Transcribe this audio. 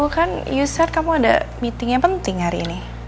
kan user kamu ada meeting yang penting hari ini